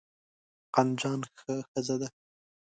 قندجان ښه ښځه ده.